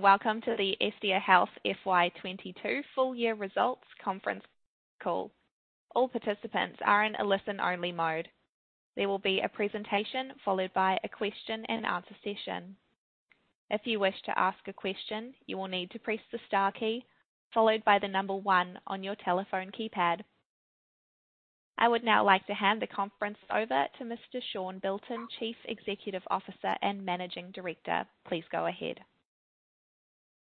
Welcome to the Estia Health FY 2022 Full Year Results conference call. All participants are in a listen only mode. There will be a presentation followed by a question and answer session. If you wish to ask a question, you will need to press the star key followed by the number one on your telephone keypad. I would now like to hand the conference over to Mr. Sean Bilton, Chief Executive Officer and Managing Director. Please go ahead.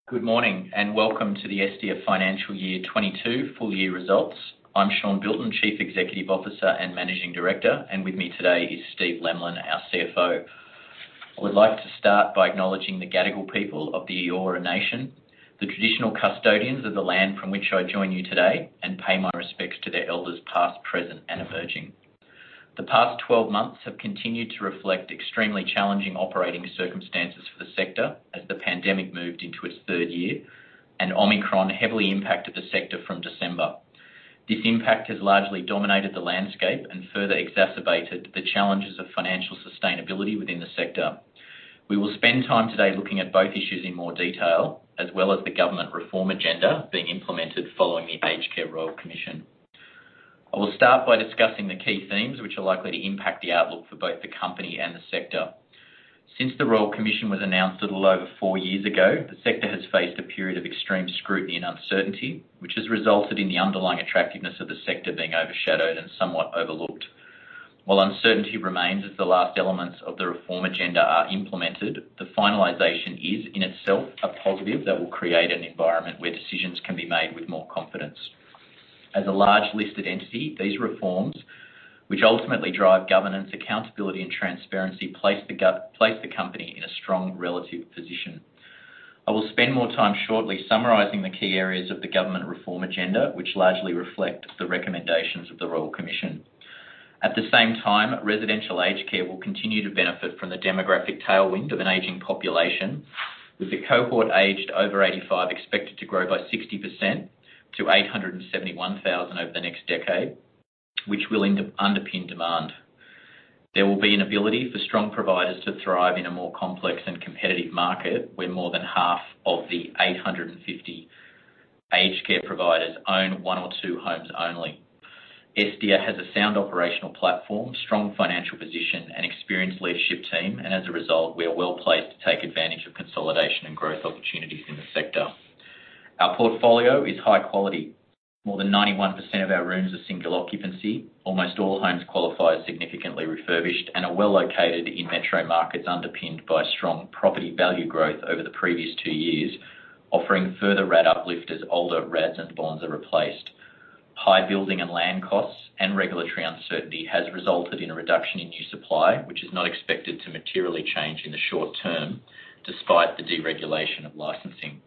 Good morning and welcome to the Estia financial year 2022 full year results. I'm Sean Bilton, Chief Executive Officer and Managing Director, and with me today is Steve Lemlin, our CFO. I would like to start by acknowledging the Gadigal people of the Eora nation, the traditional custodians of the land from which I join you today, and pay my respects to their elders, past, present, and emerging. The past 12 months have continued to reflect extremely challenging operating circumstances for the sector as the pandemic moved into its third year and Omicron heavily impacted the sector from December. This impact has largely dominated the landscape and further exacerbated the challenges of financial sustainability within the sector. We will spend time today looking at both issues in more detail, as well as the government reform agenda being implemented following the Aged Care Royal Commission. I will start by discussing the key themes which are likely to impact the outlook for both the company and the sector. Since the Royal Commission was announced a little over four years ago, the sector has faced a period of extreme scrutiny and uncertainty, which has resulted in the underlying attractiveness of the sector being overshadowed and somewhat overlooked. While uncertainty remains as the last elements of the reform agenda are implemented, the finalization is in itself a positive that will create an environment where decisions can be made with more confidence. As a large listed entity, these reforms, which ultimately drive governance, accountability and transparency, place the company in a strong relative position. I will spend more time shortly summarizing the key areas of the government reform agenda, which largely reflect the recommendations of the Royal Commission. At the same time, residential aged care will continue to benefit from the demographic tailwind of an aging population, with the cohort aged over 85 expected to grow by 60% to 871,000 over the next decade, which will end up underpinning demand. There will be an ability for strong providers to thrive in a more complex and competitive market, where more than half of the 850 aged care providers own one or two homes only. Estia has a sound operational platform, strong financial position and experienced leadership team, and as a result, we are well placed to take advantage of consolidation and growth opportunities in the sector. Our portfolio is high quality. More than 91% of our rooms are single occupancy. Almost all homes qualify as significantly refurbished and are well located in metro markets, underpinned by strong property value growth over the previous two years, offering further RAD uplift as older RADs and bonds are replaced. High building and land costs and regulatory uncertainty has resulted in a reduction in new supply, which is not expected to materially change in the short term despite the deregulation of licensing.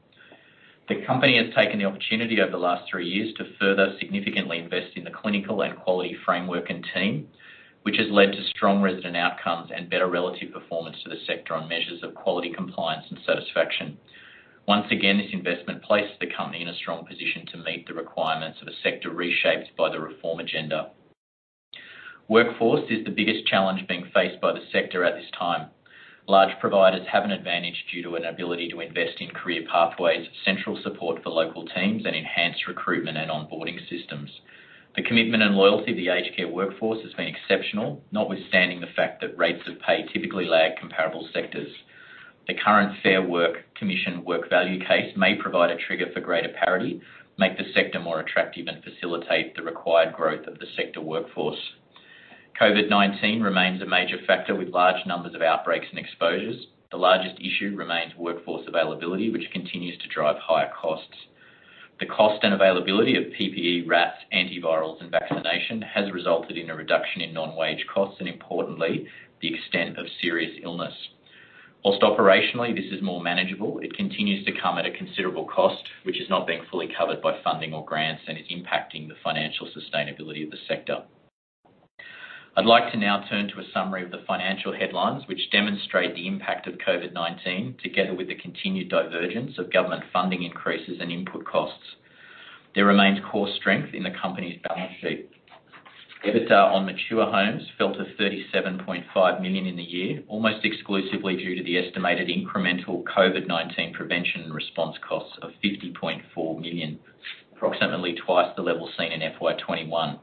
The company has taken the opportunity over the last three years to further significantly invest in the clinical and quality framework and team, which has led to strong resident outcomes and better relative performance to the sector on measures of quality, compliance and satisfaction. Once again, this investment places the company in a strong position to meet the requirements of a sector reshaped by the reform agenda. Workforce is the biggest challenge being faced by the sector at this time. Large providers have an advantage due to an ability to invest in career pathways, central support for local teams, and enhanced recruitment and onboarding systems. The commitment and loyalty of the aged care workforce has been exceptional, notwithstanding the fact that rates of pay typically lag comparable sectors. The current Fair Work Commission work value case may provide a trigger for greater parity, make the sector more attractive, and facilitate the required growth of the sector workforce. COVID-19 remains a major factor, with large numbers of outbreaks and exposures. The largest issue remains workforce availability, which continues to drive higher costs. The cost and availability of PPE, RATs, antivirals and vaccination has resulted in a reduction in non-wage costs and importantly, the extent of serious illness. While operationally this is more manageable, it continues to come at a considerable cost, which is not being fully covered by funding or grants, and is impacting the financial sustainability of the sector. I'd like to now turn to a summary of the financial headlines, which demonstrate the impact of COVID-19, together with the continued divergence of government funding increases and input costs. There remains core strength in the company's balance sheet. EBITDA on mature homes fell to 37.5 million in the year, almost exclusively due to the estimated incremental COVID-19 prevention and response costs of 50.4 million, approximately twice the level seen in FY 2021.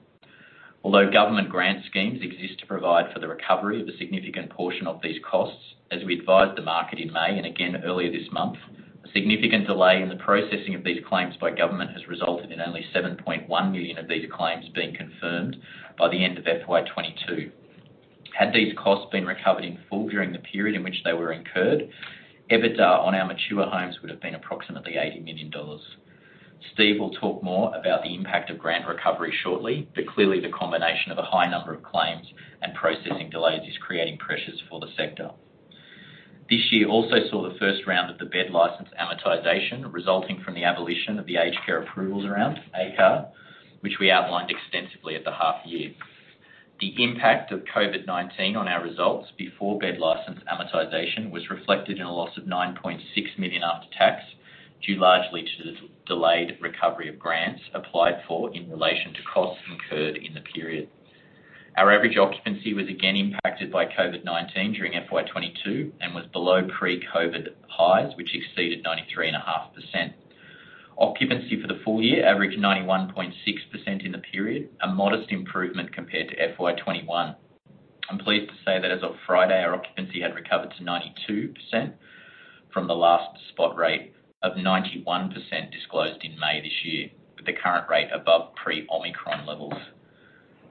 Although government grant schemes exist to provide for the recovery of a significant portion of these costs, as we advised the market in May and again earlier this month, a significant delay in the processing of these claims by government has resulted in only 7.1 million of these claims being confirmed by the end of FY 2022. Had these costs been recovered in full during the period in which they were incurred, EBITDA on our mature homes would have been approximately 80 million dollars. Steve will talk more about the impact of grant recovery shortly, but clearly the combination of a high number of claims and processing delays is creating pressures for the sector. This year also saw the first round of the bed license amortization resulting from the abolition of the aged care approvals around ACAR, which we outlined extensively at the half year. The impact of COVID-19 on our results before bed license amortization was reflected in a loss of 9.6 million after tax, due largely to the delayed recovery of grants applied for in relation to costs incurred in the period. Our average occupancy was again impacted by COVID-19 during FY 2022 and was below pre-COVID highs, which exceeded 93.5%. Occupancy for the full year averaged 91.6% in the period, a modest improvement compared to FY 2021. I'm pleased to say that as of Friday, our occupancy had recovered to 92% from the last spot rate of 91% disclosed in May this year, with the current rate above pre-Omicron levels.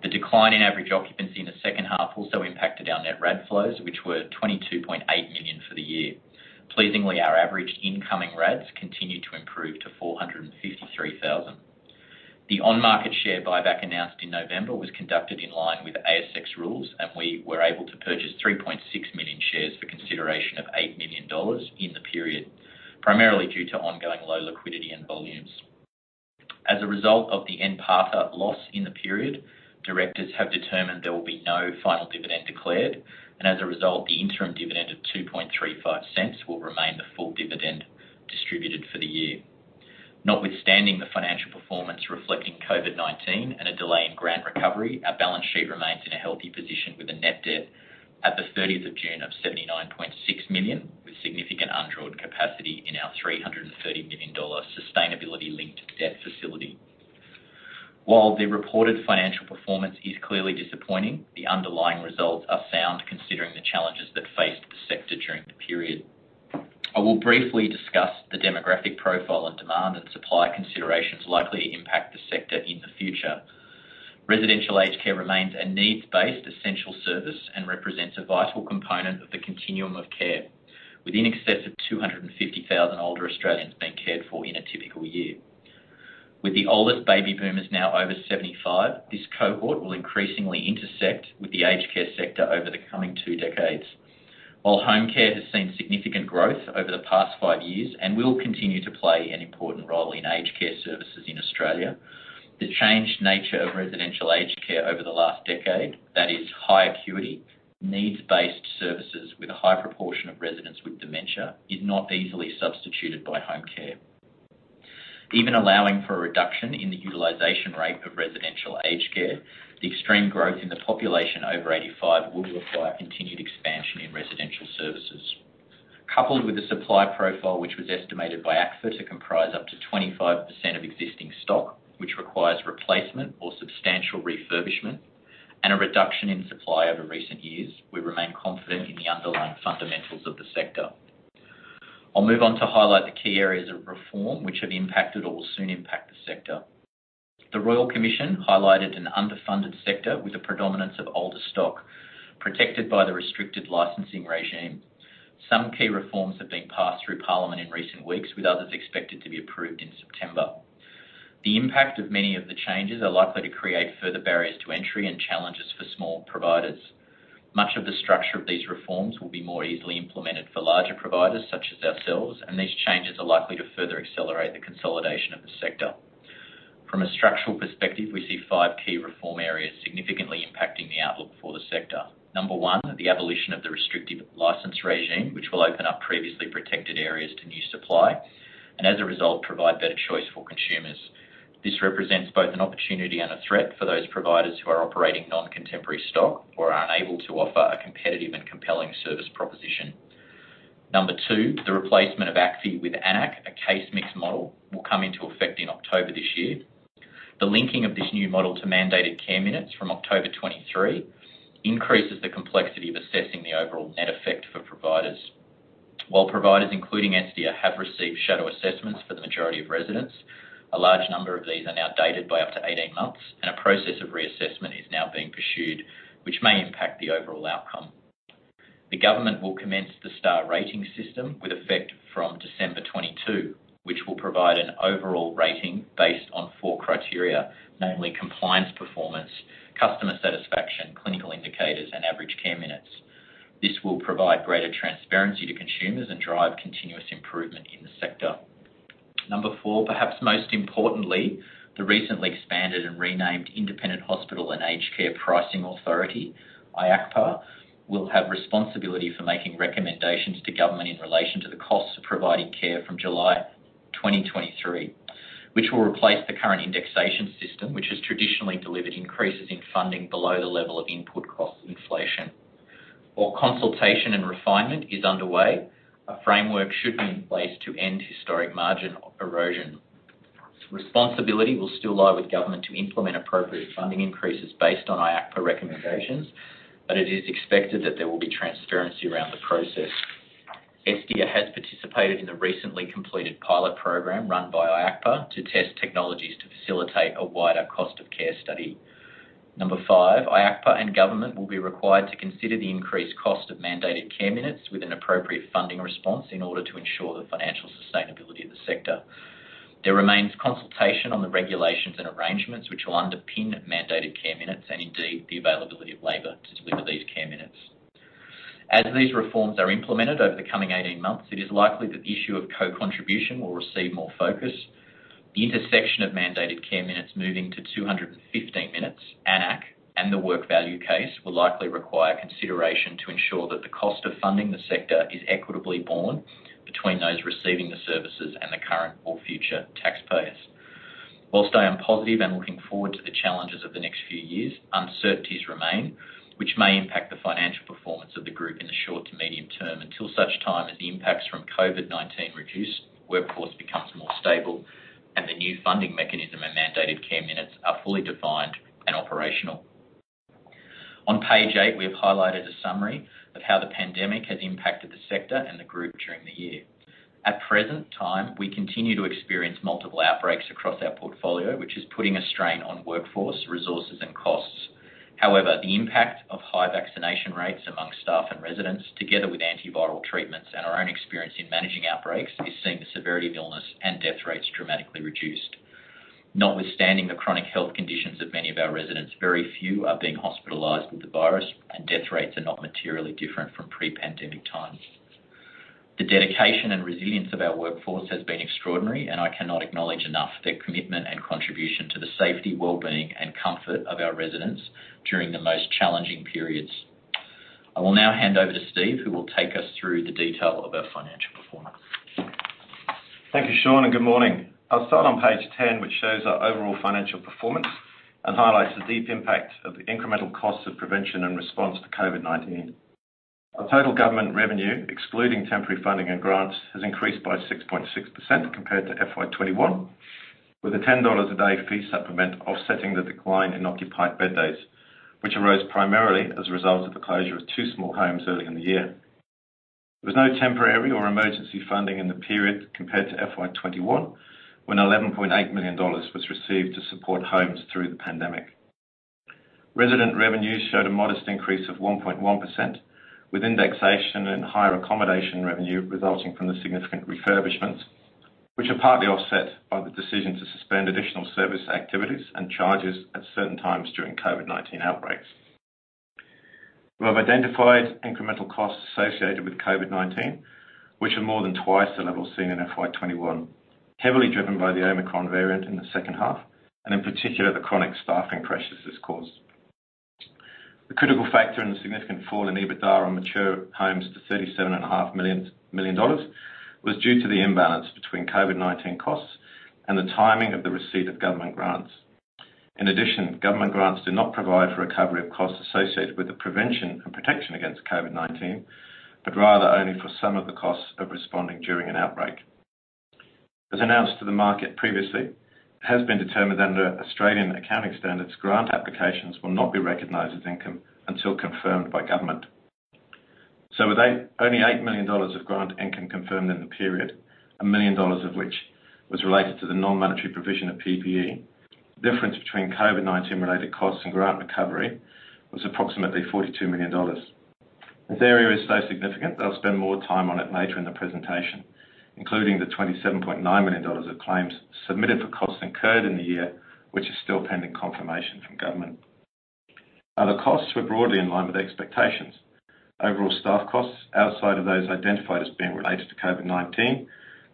The decline in average occupancy in the second half also impacted our net RAD flows, which were 22.8 million for the year. Pleasingly, our average incoming RADs continued to improve to 453,000. The on-market share buyback announced in November was conducted in line with ASX rules, and we were able to purchase 3.6 million shares for consideration of 8 million dollars in the period, primarily due to ongoing low liquidity and volumes. As a result of the NPATA loss in the period, directors have determined there will be no final dividend declared, and as a result, the interim dividend of 0.0235 will remain the full dividend distributed for the year. Notwithstanding the financial performance reflecting COVID-19 and a delay in grant recovery, our balance sheet remains in a healthy position with a net debt at the 30th of June of 79.6 million, with significant undrawn capacity in our 330 million dollar sustainability-linked debt facility. While the reported financial performance is clearly disappointing, the underlying results are sound considering the challenges that faced the sector during the period. I will briefly discuss the demographic profile and demand and supply considerations likely to impact the sector in the future. Residential aged care remains a needs-based essential service and represents a vital component of the continuum of care, with in excess of 250,000 older Australians being cared for in a typical year. With the oldest baby boomers now over 75, this cohort will increasingly intersect with the aged care sector over the coming twodecades. While home care has seen significant growth over the past five years and will continue to play an important role in aged care services in Australia, the changed nature of residential aged care over the last decade, that is high acuity, needs-based services with a high proportion of residents with dementia, is not easily substituted by home care. Even allowing for a reduction in the utilization rate of residential aged care, the extreme growth in the population over 85 will require continued expansion in residential services. Coupled with the supply profile, which was estimated by ACFI to comprise up to 25% of existing stock, which requires replacement or substantial refurbishment and a reduction in supply over recent years, we remain confident in the underlying fundamentals of the sector. I'll move on to highlight the key areas of reform which have impacted or will soon impact the sector. The Royal Commission highlighted an underfunded sector with a predominance of older stock protected by the restricted licensing regime. Some key reforms have been passed through Parliament in recent weeks, with others expected to be approved in September. The impact of many of the changes are likely to create further barriers to entry and challenges for small providers. Much of the structure of these reforms will be more easily implemented for larger providers such as ourselves, and these changes are likely to further accelerate the consolidation of the sector. From a structural perspective, we see five key reform areas significantly impacting the outlook for the sector. Number one, the abolition of the restrictive license regime, which will open up previously protected areas to new supply and as a result, provide better choice for consumers. This represents both an opportunity and a threat for those providers who are operating non-contemporary stock or are unable to offer a competitive and compelling service proposition. Number two, the replacement of ACFI with AN-ACC, a case mix model, will come into effect in October this year. The linking of this new model to mandated care minutes from October 2023 increases the complexity of assessing the overall net effect for providers. While providers including Estia, have received shadow assessments for the majority of residents, a large number of these are now dated by up to 18 months, and a process of reassessment is now being pursued, which may impact the overall outcome. The government will commence the star rating system with effect from December 2022, which will provide an overall rating based on four criteria, namely compliance performance, customer satisfaction, clinical indicators, and average care minutes. This will provide greater transparency to consumers and drive continuous improvement in the sector. Number four, perhaps most importantly, the recently expanded and renamed Independent Health and Aged Care Pricing Authority, IHACPA, will have responsibility for making recommendations to government in relation to the costs of providing care from July 2023, which will replace the current indexation system, which has traditionally delivered increases in funding below the level of input cost inflation. While consultation and refinement is underway, a framework should be in place to end historic margin erosion. Responsibility will still lie with government to implement appropriate funding increases based on IHACPA recommendations, but it is expected that there will be transparency around the process. Estia has participated in the recently completed pilot program run by IHACPA to test technologies to facilitate a wider cost of care study. Number five, IHACPA and government will be required to consider the increased cost of mandated care minutes with an appropriate funding response in order to ensure the financial sustainability of the sector. There remains consultation on the regulations and arrangements which will underpin mandated care minutes and indeed the availability of labor to deliver these care minutes. As these reforms are implemented over the coming 18 months, it is likely that the issue of co-contribution will receive more focus. The intersection of mandated care minutes moving to 215 minutes, AN-ACC, and the work value case will likely require consideration to ensure that the cost of funding the sector is equitably borne between those receiving the services and the current or future taxpayers. While I am positive and looking forward to the challenges of the next few years, uncertainties remain, which may impact the financial performance of the group in the short to medium term, until such time as the impacts from COVID-19 reduce, workforce becomes more stable, and the new funding mechanism and mandated care minutes are fully defined and operational. On page eight, we have highlighted a summary of how the pandemic has impacted the sector and the group during the year. At present time, we continue to experience multiple outbreaks across our portfolio, which is putting a strain on workforce, resources and costs. However, the impact of high vaccination rates among staff and residents, together with antiviral treatments and our own experience in managing outbreaks, is seeing the severity of illness and death rates dramatically reduced. Notwithstanding the chronic health conditions of many of our residents, very few are being hospitalized with the virus, and death rates are not materially different from pre-pandemic times. The dedication and resilience of our workforce has been extraordinary, and I cannot acknowledge enough their commitment and contribution to the safety, well-being and comfort of our residents during the most challenging periods. I will now hand over to Steve Lemlin, who will take us through the detail of our financial performance. Thank you, Sean, and good morning. I'll start on page 10, which shows our overall financial performance and highlights the deep impact of the incremental costs of prevention and response to COVID-19. Our total government revenue, excluding temporary funding and grants, has increased by 6.6% compared to FY 2021, with the 10 dollars a day fee supplement offsetting the decline in occupied bed days, which arose primarily as a result of the closure of two small homes early in the year. There was no temporary or emergency funding in the period compared to FY 2021, when 11.8 million dollars was received to support homes through the pandemic. Resident revenues showed a modest increase of 1.1%, with indexation and higher accommodation revenue resulting from the significant refurbishments, which are partly offset by the decision to suspend additional service activities and charges at certain times during COVID-19 outbreaks. We have identified incremental costs associated with COVID-19, which are more than twice the level seen in FY 2021, heavily driven by the Omicron variant in the second half and in particular, the chronic staffing pressures this caused. The critical factor in the significant fall in EBITDA on mature homes to 37.5 million dollars was due to the imbalance between COVID-19 costs and the timing of the receipt of government grants. In addition, government grants do not provide for recovery of costs associated with the prevention and protection against COVID-19, but rather only for some of the costs of responding during an outbreak. As announced to the market previously, it has been determined under Australian Accounting Standards, grant applications will not be recognized as income until confirmed by government. With only 8 million dollars of grant income confirmed in the period, 1 million dollars of which was related to the non-monetary provision of PPE, the difference between COVID-19 related costs and grant recovery was approximately 42 million dollars. This area is so significant that I'll spend more time on it later in the presentation, including the 27.9 million dollars of claims submitted for costs incurred in the year, which is still pending confirmation from government. Other costs were broadly in line with expectations. Overall staff costs outside of those identified as being related to COVID-19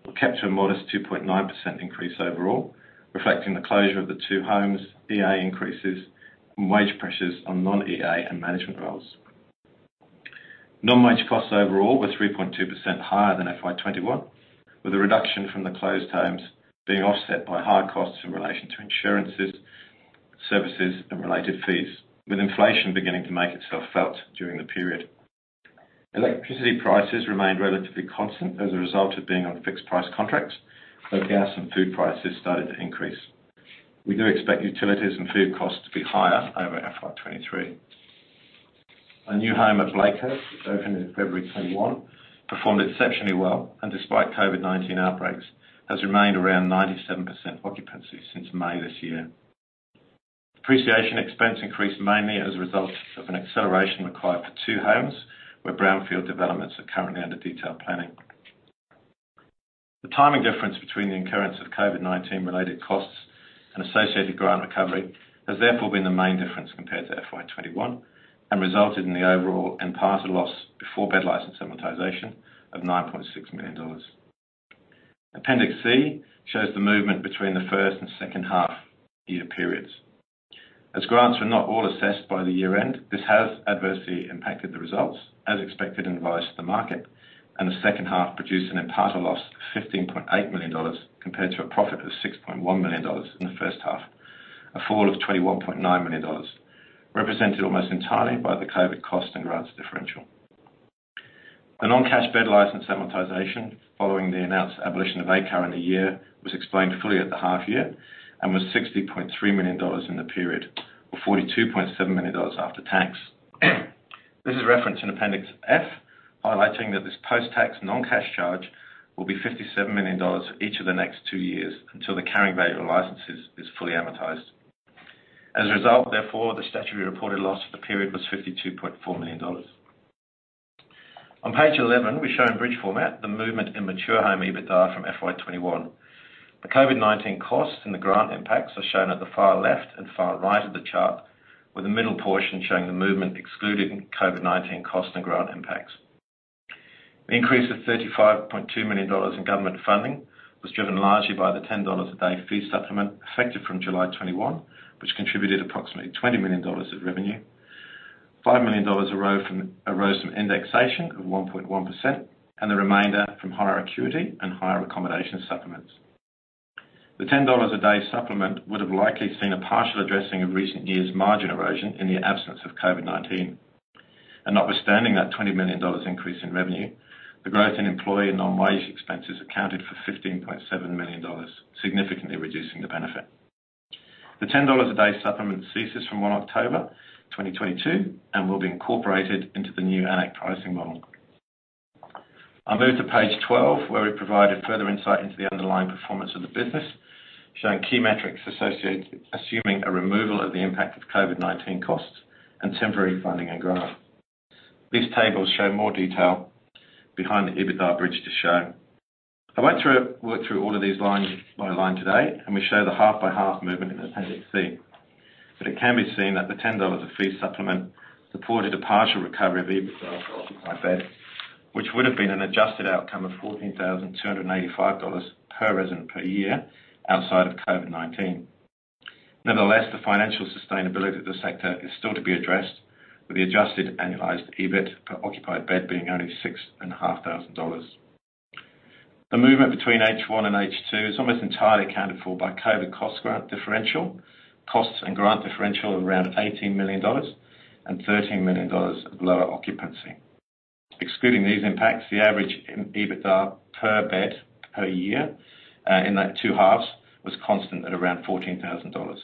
will capture a modest 2.9% increase overall, reflecting the closure of the two homes, EA increases and wage pressures on non-EA and management roles. Non-wage costs overall were 3.2% higher than FY 2021, with a reduction from the closed homes being offset by higher costs in relation to insurances, services and related fees, with inflation beginning to make itself felt during the period. Electricity prices remained relatively constant as a result of being on fixed price contracts, but gas and food prices started to increase. We do expect utilities and food costs to be higher over FY 2023. Our new home at Blakehurst, which opened in February 2021, performed exceptionally well and despite COVID-19 outbreaks, has remained around 97% occupancy since May this year. Depreciation expense increased mainly as a result of an acceleration required for two homes, where brownfield developments are currently under detailed planning. The timing difference between the incurrence of COVID-19 related costs and associated grant recovery has therefore been the main difference compared to FY 2021 and resulted in the overall impairment loss before bed license amortization of 9.6 million dollars. Appendix C shows the movement between the first and second half year periods. As grants were not all assessed by the year-end, this has adversely impacted the results as advised to the market, and the second half produced an impairment loss of 15.8 million dollars compared to a profit of 6.1 million dollars in the first half. A fall of 21.9 million dollars, represented almost entirely by the COVID cost and grants differential. The non-cash bed license amortization following the announced abolition of ACAR in the year was explained fully at the half year and was 60.3 million dollars in the period, or 42.7 million dollars after tax. This is referenced in appendix F, highlighting that this post-tax non-cash charge will be 57 million dollars for each of the next two years until the carrying value of licenses is fully amortized. As a result, therefore, the statutory reported loss for the period was 52.4 million dollars. On page 11, we show in bridge format the movement in mature home EBITDA from FY 2021. The COVID-19 costs and the grant impacts are shown at the far left and far right of the chart, with the middle portion showing the movement excluding COVID-19 costs and grant impacts. The increase of AUD 35.2 million in government funding was driven largely by the AUD 10 a day fee supplement effective from July 2021, which contributed approximately AUD 20 million of revenue. AUD 5 million arose from indexation of 1.1%, and the remainder from higher acuity and higher accommodation supplements. The 10 dollars a day supplement would have likely seen a partial addressing of recent years' margin erosion in the absence of COVID-19. Not with standing at 20 million dollars increase in revenue, the growth in employee and non-wage expenses accounted for 15.7 million dollars, significantly reducing the benefit. The 10 dollars a day supplement ceases from 1 October 2022 and will be incorporated into the new AN-ACC pricing model. I move to page 12, where we provided further insight into the underlying performance of the business, showing key metrics associated, assuming a removal of the impact of COVID-19 costs and temporary funding and growth. These tables show more detail behind the EBITDA bridge to show. I went through, worked through all of these line by line today, and we show the half by half movement in appendix C. It can be seen that the 10 dollars a fee supplement supported a partial recovery of EBITDA per occupied bed, which would have been an adjusted outcome of AUD 14,285 per resident per year outside of COVID-19. Nevertheless, the financial sustainability of the sector is still to be addressed, with the adjusted annualized EBIT per occupied bed being only 6,500 dollars. The movement between H1 and H2 is almost entirely accounted for by COVID cost grant differential. Costs and grant differential of around 18 million dollars and 13 million dollars of lower occupancy. Excluding these impacts, the average in EBITDA per bed per year, in that two halves was constant at around 14,000 dollars.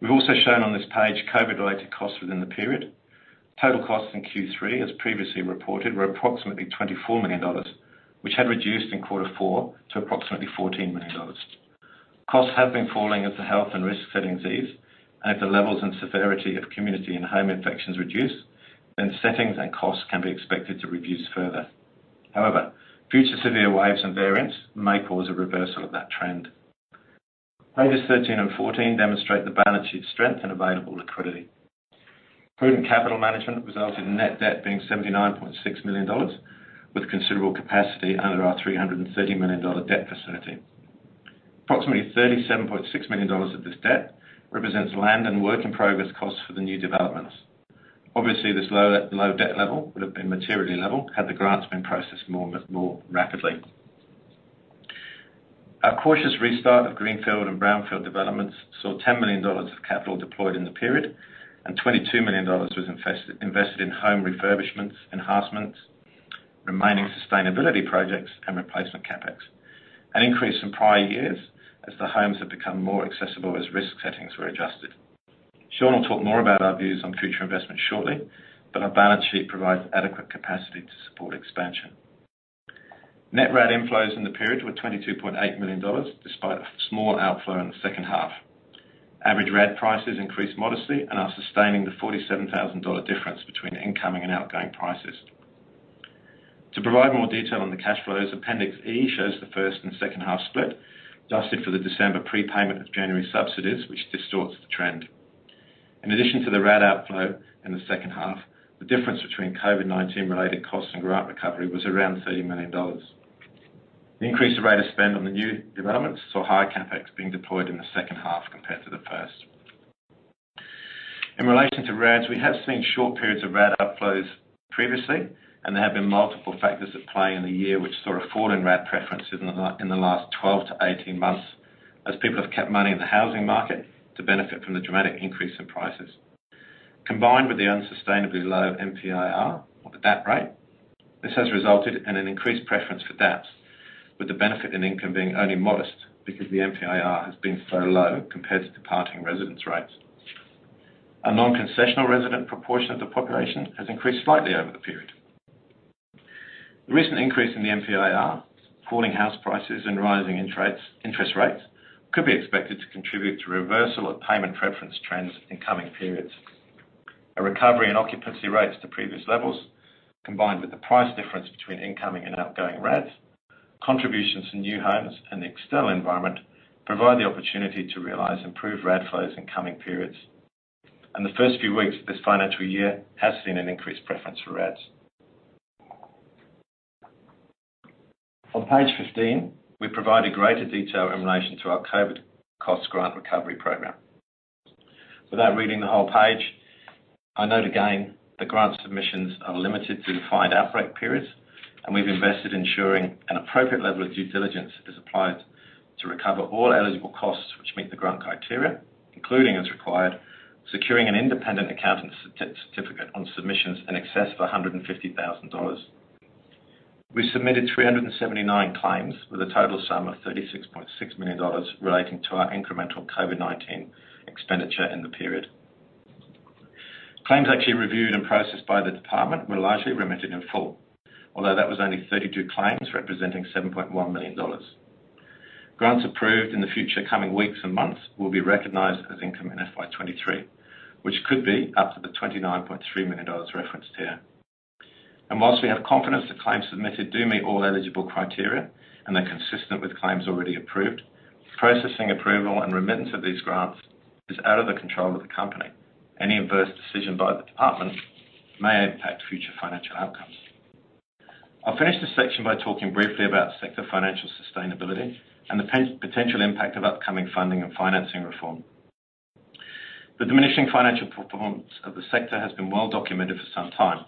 We've also shown on this page COVID-related costs within the period. Total costs in Q3, as previously reported, were approximately 24 million dollars, which had reduced in Q4 to approximately 14 million dollars. Costs have been falling as the health and risk settings ease, and if the levels and severity of community and home infections reduce, then settings and costs can be expected to reduce further. However, future severe waves and variants may cause a reversal of that trend. Pages 13 and 14 demonstrate the balance sheet strength and available liquidity. Prudent capital management resulted in net debt being 79.6 million dollars, with considerable capacity under our 330 million dollar debt facility. Approximately 37.6 million dollars of this debt represents land and work in progress costs for the new developments. Obviously, this low debt level would have been materially lower had the grants been processed more rapidly. Our cautious restart of greenfield and brownfield developments saw 10 million dollars of capital deployed in the period, and 22 million dollars was invested in home refurbishments, enhancements, remaining sustainability projects, and replacement CapEx. An increase in prior years as the homes have become more accessible as risk settings were adjusted. Sean will talk more about our views on future investments shortly, but our balance sheet provides adequate capacity to support expansion. Net RAD inflows in the period were 22.8 million dollars, despite a small outflow in the second half. Average RAD prices increased modestly and are sustaining the 47,000 dollar difference between incoming and outgoing prices. To provide more detail on the cash flows, appendix E shows the first and second half split, adjusted for the December prepayment of January subsidies, which distorts the trend. In addition to the RAD outflow in the second half, the difference between COVID-19 related costs and grant recovery was around 30 million dollars. The increased rate of spend on the new developments saw higher CapEx being deployed in the second half compared to the first. In relation to RADs, we have seen short periods of RAD outflows previously, and there have been multiple factors at play in the year which saw a fall in RAD preference in the last 12-18 months, as people have kept money in the housing market to benefit from the dramatic increase in prices. Combined with the unsustainably low MPIR or the DAP rate, this has resulted in an increased preference for DAPs, with the benefit in income being only modest because the MPIR has been so low compared to departing residents' rates. A non-concessional resident proportion of the population has increased slightly over the period. The recent increase in the MPIR, falling house prices and rising interest rates could be expected to contribute to reversal of payment preference trends in coming periods. A recovery in occupancy rates to previous levels, combined with the price difference between incoming and outgoing RADs, contributions to new homes and the external environment, provide the opportunity to realize improved RAD flows in coming periods. The first few weeks of this financial year has seen an increased preference for RADs. On page 15, we provide a greater detail in relation to our COVID cost grant recovery program. Without reading the whole page, I note again that grant submissions are limited to defined outbreak periods, and we've invested ensuring an appropriate level of due diligence is applied to recover all eligible costs which meet the grant criteria, including as required, securing an independent accountant certificate on submissions in excess of 150,000 dollars. We submitted 379 claims with a total sum of 36.6 million dollars relating to our incremental COVID-19 expenditure in the period. Claims actually reviewed and processed by the department were largely remitted in full, although that was only 32 claims representing 7.1 million dollars. Grants approved in the future coming weeks and months will be recognized as income in FY 2023, which could be up to 29.3 million dollars referenced here. While we have confidence the claims submitted do meet all eligible criteria and are consistent with claims already approved, processing approval and remittance of these grants is out of the control of the company. Any adverse decision by the department may impact future financial outcomes. I'll finish this section by talking briefly about sector financial sustainability and the potential impact of upcoming funding and financing reform. The diminishing financial performance of the sector has been well documented for some time,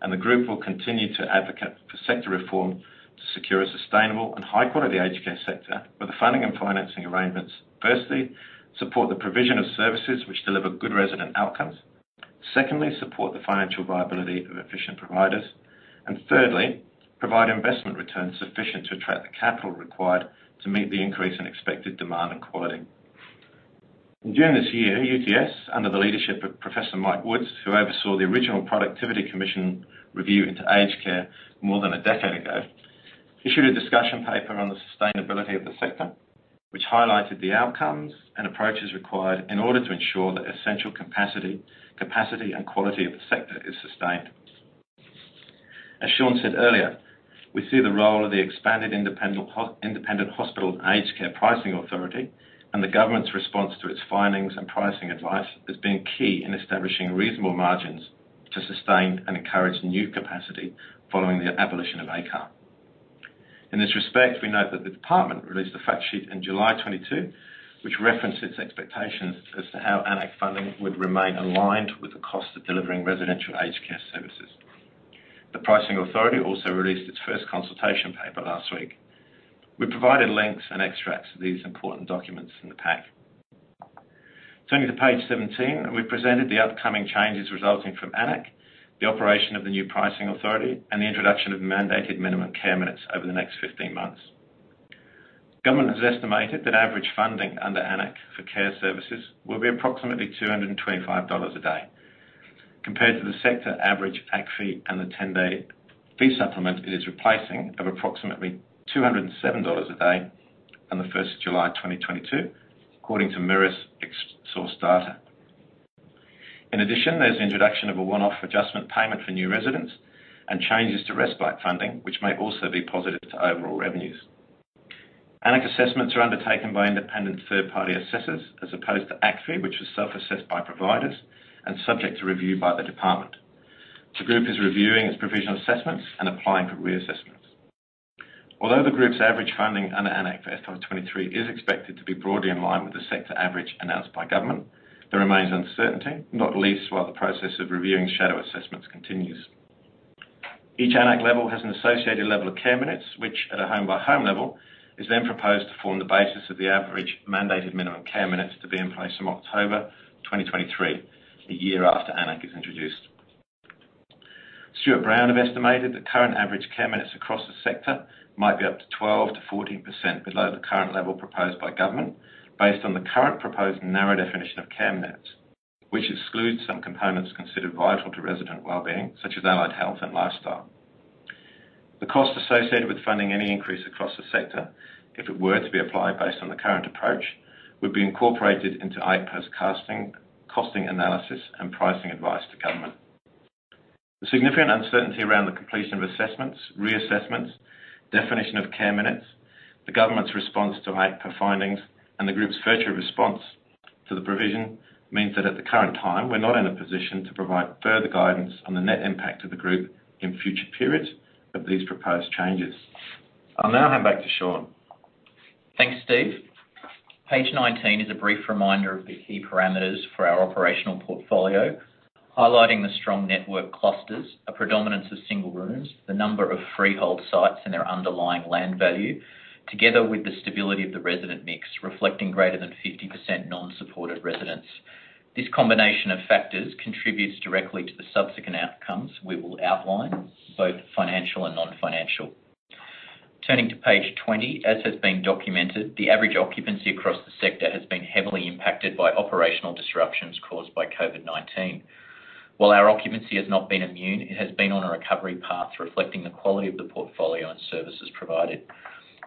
and the group will continue to advocate for sector reform to secure a sustainable and high quality aged care sector, where the funding and financing arrangements, firstly, support the provision of services which deliver good resident outcomes. Secondly, support the financial viability of efficient providers. Thirdly, provide investment returns sufficient to attract the capital required to meet the increase in expected demand and quality. During this year, UTS, under the leadership of Professor Mike Woods, who oversaw the original Productivity Commission review into aged care more than a decade ago, issued a discussion paper on the sustainability of the sector, which highlighted the outcomes and approaches required in order to ensure that essential capacity and quality of the sector is sustained. As Sean said earlier, we see the role of the expanded Independent Health and Aged Care Pricing Authority and the government's response to its findings and pricing advice as being key in establishing reasonable margins to sustain and encourage new capacity following the abolition of ACAR. In this respect, we note that the department released a fact sheet in July 2022, which referenced its expectations as to how AN-ACC funding would remain aligned with the cost of delivering residential aged care services. The pricing authority also released its first consultation paper last week. We provided links and extracts of these important documents in the pack. Turning to page 17, we presented the upcoming changes resulting from AN-ACC, the operation of the new pricing authority, and the introduction of mandated minimum care minutes over the next 15 months. Government has estimated that average funding under AN-ACC for care services will be approximately 225 dollars a day, compared to the sector average ACFI and the 10-day fee supplement it is replacing of approximately 207 dollars a day on the first of July 2022, according to Mirus eX Source Data. In addition, there's the introduction of a one-off adjustment payment for new residents and changes to respite funding, which may also be positive to overall revenues. AN-ACC assessments are undertaken by independent third-party assessors, as opposed to ACFI, which was self-assessed by providers and subject to review by the department. The group is reviewing its provisional assessments and applying for reassessments. Although the group's average funding under AN-ACC for FY 2023 is expected to be broadly in line with the sector average announced by government, there remains uncertainty, not least while the process of reviewing shadow assessments continues. Each AN-ACC level has an associated level of care minutes, which at a home-by-home level, is then proposed to form the basis of the average mandated minimum care minutes to be in place from October 2023, a year after AN-ACC is introduced. StewartBrown have estimated that current average care minutes across the sector might be up to 12%-14% below the current level proposed by government based on the current proposed narrow definition of care minutes, which excludes some components considered vital to resident well-being, such as allied health and lifestyle. The cost associated with funding any increase across the sector, if it were to be applied based on the current approach, would be incorporated into IHACPA's costing analysis and pricing advice to government. The significant uncertainty around the completion of assessments, reassessments, definition of care minutes, the government's response to IHACPA findings, and the group's further response to the provision, means that at the current time, we're not in a position to provide further guidance on the net impact of the group in future periods of these proposed changes. I'll now hand back to Sean. Thanks, Steve. Page 19 is a brief reminder of the key parameters for our operational portfolio, highlighting the strong network clusters, a predominance of single rooms, the number of freehold sites and their underlying land value, together with the stability of the resident mix, reflecting greater than 50% non-supported residents. This combination of factors contributes directly to the subsequent outcomes we will outline, both financial and non-financial. Turning to page 20, as has been documented, the average occupancy across the sector has been heavily impacted by operational disruptions caused by COVID-19. While our occupancy has not been immune, it has been on a recovery path reflecting the quality of the portfolio and services provided.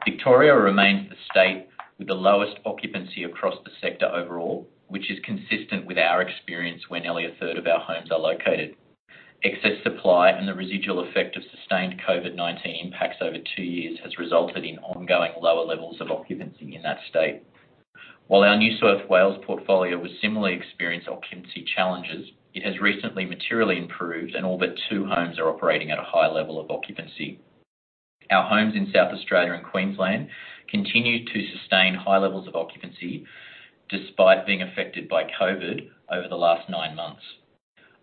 Victoria remains the state with the lowest occupancy across the sector overall, which is consistent with our experience where nearly a third of our homes are located. Excess supply and the residual effect of sustained COVID-19 impacts over two years has resulted in ongoing lower levels of occupancy in that state. While our New South Wales portfolio was similarly experienced occupancy challenges, it has recently materially improved, and all but two homes are operating at a high level of occupancy. Our homes in South Australia and Queensland continue to sustain high levels of occupancy despite being affected by COVID over the last nine months.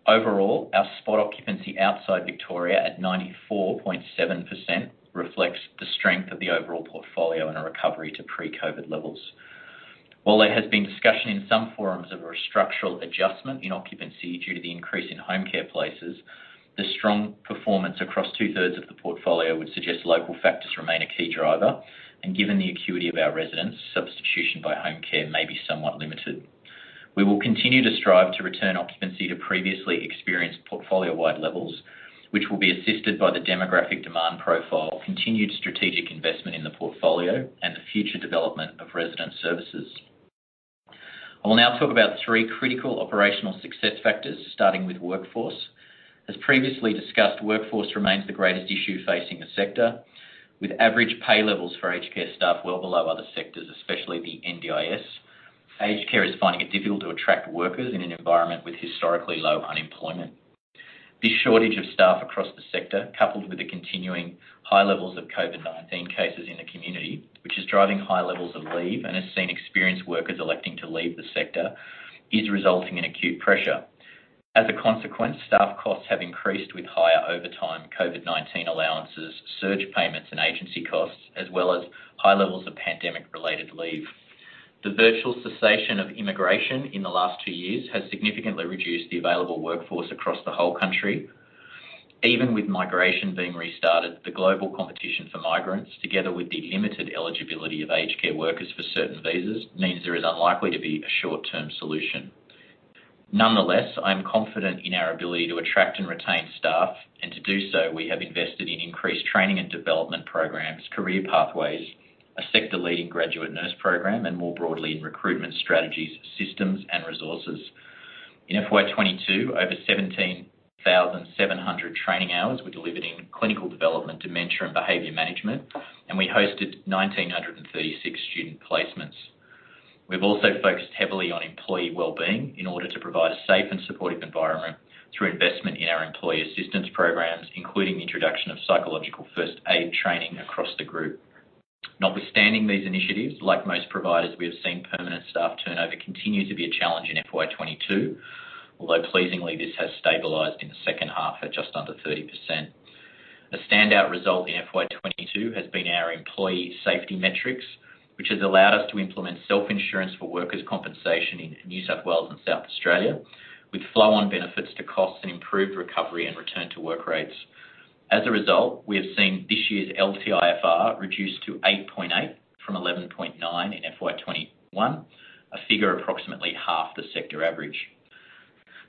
Overall, our spot occupancy outside Victoria at 94.7% reflects the strength of the overall portfolio and a recovery to pre-COVID levels. While there has been discussion in some forums of a structural adjustment in occupancy due to the increase in home care places, the strong performance across two-thirds of the portfolio would suggest local factors remain a key driver, and given the acuity of our residents, substitution by home care may be somewhat limited. We will continue to strive to return occupancy to previously experienced portfolio-wide levels, which will be assisted by the demographic demand profile, continued strategic investment in the portfolio, and the future development of resident services. I will now talk about three critical operational success factors, starting with workforce. As previously discussed, workforce remains the greatest issue facing the sector, with average pay levels for aged care staff well below other sectors, especially the NDIS. Aged care is finding it difficult to attract workers in an environment with historically low unemployment. This shortage of staff across the sector, coupled with the continuing high levels of COVID-19 cases in the community, which is driving high levels of leave and has seen experienced workers electing to leave the sector, is resulting in acute pressure. As a consequence, staff costs have increased with higher overtime COVID-19 allowances, surge payments, and agency costs, as well as high levels of pandemic related leave. The virtual cessation of immigration in the last two years has significantly reduced the available workforce across the whole country. Even with migration being restarted, the global competition for migrants, together with the limited eligibility of aged care workers for certain visas, means there is unlikely to be a short term solution. Nonetheless, I am confident in our ability to attract and retain staff, and to do so, we have invested in increased training and development programs, career pathways, a sector leading graduate nurse program, and more broadly, in recruitment strategies, systems and resources. In FY 2022, over 17,700 training hours were delivered in clinical development, dementia, and behavior management, and we hosted 1,936 student placements. We've also focused heavily on employee well-being in order to provide a safe and supportive environment through investment in our employee assistance programs, including the introduction of psychological first aid training across the group. Not with standing these initiatives, like most providers, we have seen permanent staff turnover continue to be a challenge in FY 2022. Although pleasingly, this has stabilized in the second half at just under 30%. A standout result in FY 2022 has been our employee safety metrics, which has allowed us to implement self-insurance for workers compensation in New South Wales and South Australia, with flow on benefits to costs and improved recovery and return to work rates. As a result, we have seen this year's LTIFR reduced to 8.8 from 11.9 in FY 2021, a figure approximately half the sector average.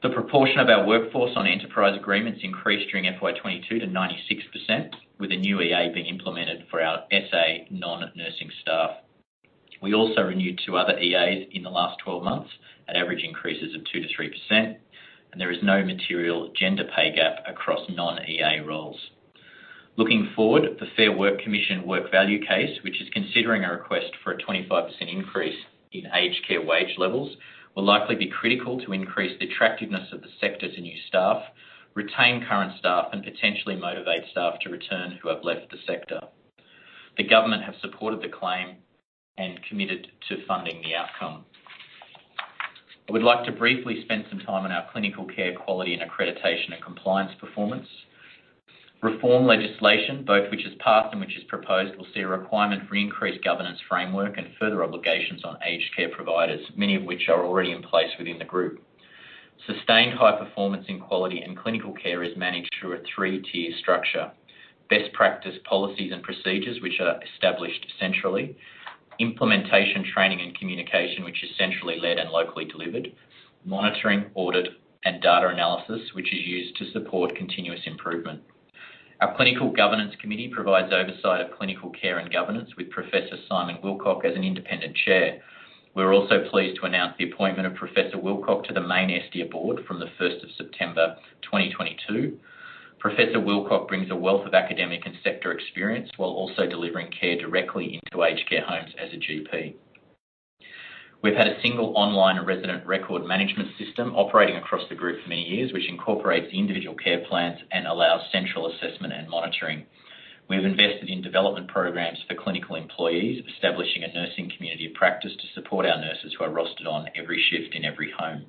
The proportion of our workforce on enterprise agreements increased during FY 2022 to 96%, with a new EA being implemented for our SA non-nursing staff. We also renewed two other EAs in the last 12 months at average increases of 2%-3%, and there is no material gender pay gap across non-EA roles. Looking forward, the Fair Work Commission work value case, which is considering a request for a 25% increase in aged care wage levels, will likely be critical to increase the attractiveness of the sector to new staff, retain current staff, and potentially motivate staff to return who have left the sector. The government have supported the claim and committed to funding the outcome. I would like to briefly spend some time on our clinical care quality and accreditation and compliance performance. Reform legislation, both which is passed and which is proposed, will see a requirement for increased governance framework and further obligations on aged care providers, many of which are already in place within the group. Sustained high performance in quality and clinical care is managed through a three-tier structure. Best practice policies and procedures which are established centrally. Implementation, training and communication, which is centrally led and locally delivered. Monitoring, audit and data analysis, which is used to support continuous improvement. Our clinical governance committee provides oversight of clinical care and governance with Professor Simon Willcock as an independent chair. We're also pleased to announce the appointment of Professor Willcock to the main Estia board from the first of September 2022. Professor Willcock brings a wealth of academic and sector experience while also delivering care directly into aged care homes as a GP. We've had a single online resident record management system operating across the group for many years, which incorporates individual care plans and allows central assessment and monitoring. We've invested in development programs for clinical employees, establishing a nursing community of practice to support our nurses who are rostered on every shift in every home.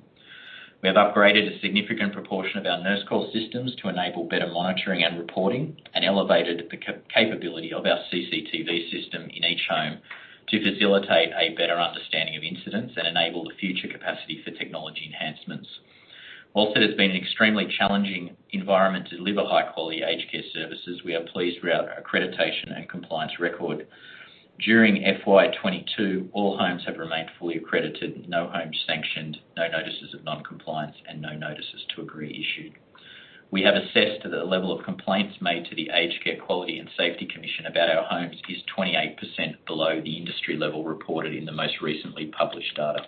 We have upgraded a significant proportion of our nurse call systems to enable better monitoring and reporting, and elevated the capability of our CCTV system in each home to facilitate a better understanding of incidents and enable the future capacity for technology enhancements. Whilst it has been an extremely challenging environment to deliver high quality aged care services, we are pleased with our accreditation and compliance record. During FY 2022, all homes have remained fully accredited. No homes sanctioned, no notices of non-compliance, and no notices to agree issued. We have assessed that the level of complaints made to the Aged Care Quality and Safety Commission about our homes is 28% below the industry level reported in the most recently published data.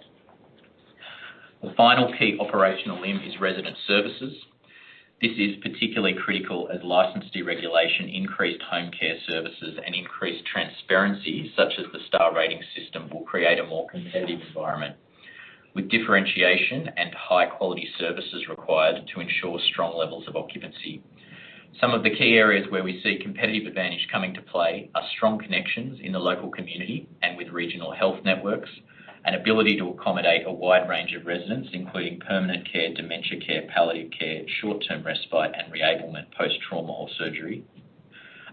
The final key operational limb is resident services. This is particularly critical as licensed deregulation, increased home care services and increased transparency, such as the star rating system, will create a more competitive environment with differentiation and high quality services required to ensure strong levels of occupancy. Some of the key areas where we see competitive advantage coming to play are strong connections in the local community and with regional health networks. An ability to accommodate a wide range of residents, including permanent care, dementia care, palliative care, short term respite, and reablement, post-trauma or surgery.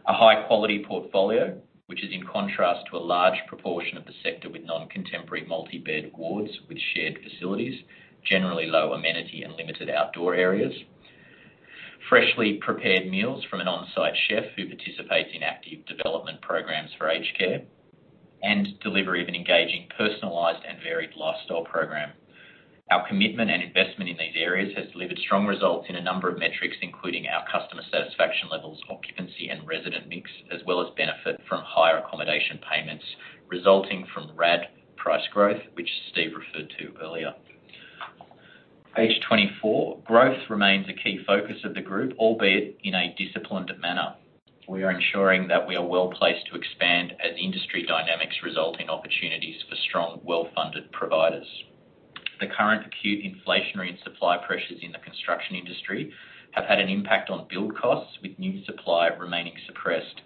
A high quality portfolio, which is in contrast to a large proportion of the sector with non-contemporary multi-bed wards with shared facilities, generally low amenity and limited outdoor areas. Freshly prepared meals from an on-site chef who participates in active development programs for aged care. Delivery of an engaging, personalized and varied lifestyle program. Our commitment and investment in these areas has delivered strong results in a number of metrics, including our customer satisfaction levels, occupancy and resident mix, as well as benefit from higher accommodation payments resulting from RAD price growth, which Steve referred to earlier. Page 24. Growth remains a key focus of the group, albeit in a disciplined manner. We are ensuring that we are well-placed to expand as industry dynamics result in opportunities for strong, well-funded providers. The current acute inflationary and supply pressures in the construction industry have had an impact on build costs, with new supply remaining suppressed.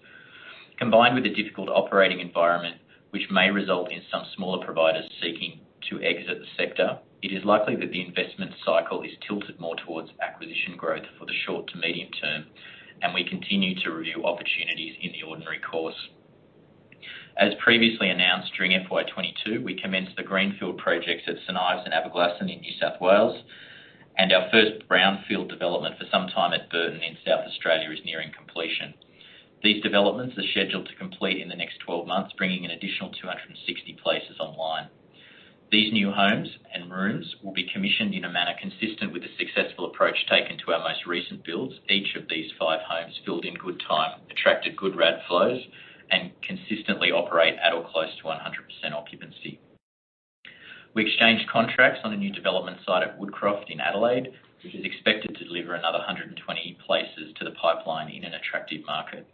Combined with the difficult operating environment, which may result in some smaller providers seeking to exit the sector, it is likely that the investment cycle is tilted more towards acquisition growth for the short to medium term, and we continue to review opportunities in the ordinary course. As previously announced, during FY 2022, we commenced the greenfield projects at St Ives and Aberglasslyn in New South Wales, and our first brownfield development for some time at Burton in South Australia is nearing completion. These developments are scheduled to complete in the next 12 months, bringing an additional 260 places online. These new homes and rooms will be commissioned in a manner consistent with the successful approach taken to our most recent builds. Each of these five homes, built in good time, attracted good RAD flows and consistently operate at or close to 100% occupancy. We exchanged contracts on a new development site at Woodcroft in Adelaide, which is expected to deliver another 120 places to the pipeline in an attractive market.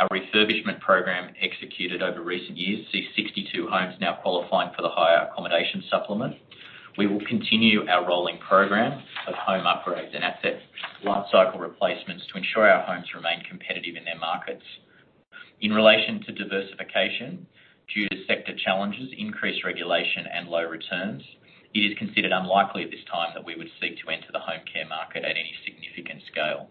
Our refurbishment program, executed over recent years, sees 62 homes now qualifying for the higher accommodation supplement. We will continue our rolling program of home upgrades and asset lifecycle replacements to ensure our homes remain competitive in their markets. In relation to diversification, due to sector challenges, increased regulation and low returns, it is considered unlikely at this time that we would seek to enter the home care market at any significant scale.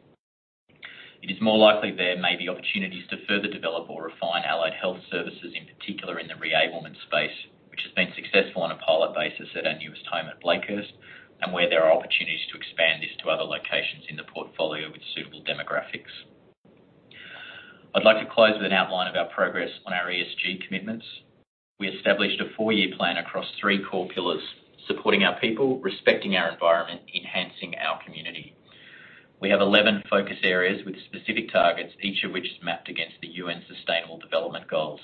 It is more likely there may be opportunities to further develop or refine allied health services, in particular in the reablement space, which has been successful on a pilot basis at our newest home at Blakehurst, and where there are opportunities to expand this to other locations in the portfolio with suitable demographics. I'd like to close with an outline of our progress on our ESG commitments. We established a four-year plan across three core pillars, supporting our people, respecting our environment, enhancing our community. We have 11 focus areas with specific targets, each of which is mapped against the UN Sustainable Development Goals.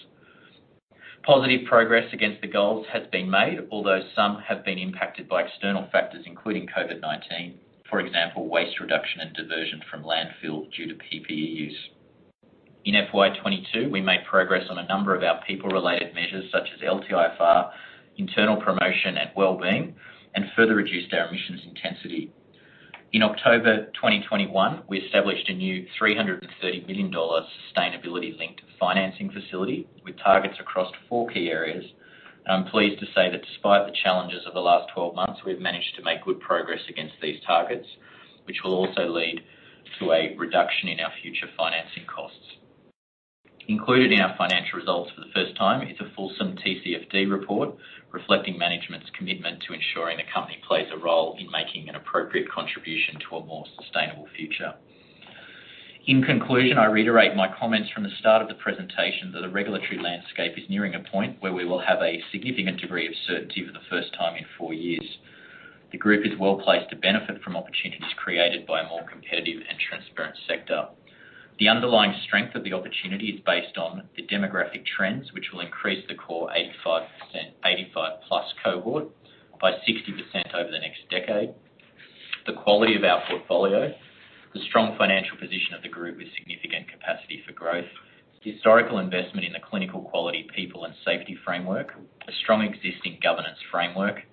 Positive progress against the goals has been made, although some have been impacted by external factors, including COVID-19. For example, waste reduction and diversion from landfill due to PPE use. In FY 22, we made progress on a number of our people-related measures, such as LTIFR, internal promotion, and wellbeing, and further reduced our emissions intensity. In October 2021, we established a new 330 million dollars sustainability-linked financing facility with targets across four key areas. I'm pleased to say that despite the challenges of the last 12 months, we've managed to make good progress against these targets, which will also lead to a reduction in our future financing costs. Included in our financial results for the first time is a fulsome TCFD report reflecting management's commitment to ensuring the company plays a role in making an appropriate contribution to a more sustainable future. In conclusion, I reiterate my comments from the start of the presentation that the regulatory landscape is nearing a point where we will have a significant degree of certainty for the first time in four years. The group is well placed to benefit from opportunities created by a more competitive and transparent sector. The underlying strength of the opportunity is based on the demographic trends, which will increase the core 85+, 85+ cohort by 60% over the next decade. The quality of our portfolio, the strong financial position of the group with significant capacity for growth, historical investment in the clinical quality people and safety framework, a strong existing governance framework, and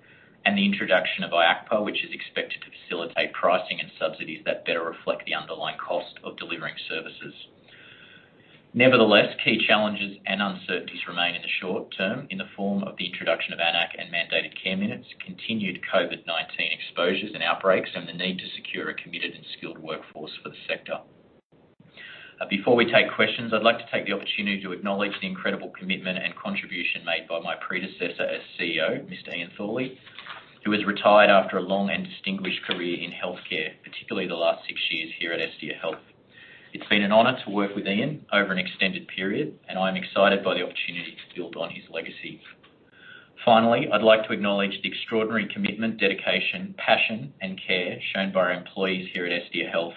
the introduction of IHACPA, which is expected to facilitate pricing and subsidies that better reflect the underlying cost of delivering services. Nevertheless, key challenges and uncertainties remain in the short term in the form of the introduction of AN-ACC and mandated care minutes, continued COVID-19 exposures and outbreaks, and the need to secure a committed and skilled workforce for the sector. Before we take questions, I'd like to take the opportunity to acknowledge the incredible commitment and contribution made by my predecessor as CEO, Mr. Ian Thorley, who has retired after a long and distinguished career in healthcare, particularly the last six years here at Estia Health. It's been an honor to work with Ian over an extended period, and I am excited by the opportunity to build on his legacy. Finally, I'd like to acknowledge the extraordinary commitment, dedication, passion and care shown by our employees here at Estia Health.